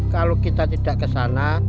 kalau kita tidak ke sana